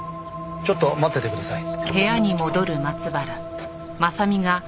ちょっと待っててください。